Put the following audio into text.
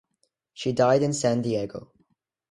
She died in San Diego.